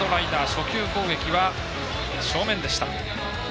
初球攻撃は正面でした。